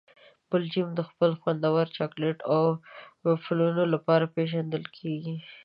بلجیم د خپل خوندور چاکلېټ او وفلونو لپاره پېژندل کیږي.